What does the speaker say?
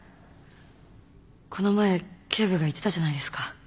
この前警部が言ってたじゃないですか。